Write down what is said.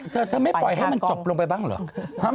เธอไม่ปล่อยให้มันจบลงไปบ้างเหรอ